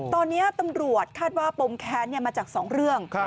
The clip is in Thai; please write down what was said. ตอนนี้ตำรวจคาดว่าปมแค้นมาจาก๒เรื่อง